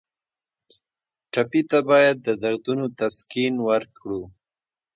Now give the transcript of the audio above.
ټپي ته باید د دردونو تسکین ورکړو.